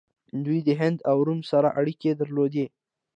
دوی د هند او روم سره اړیکې درلودې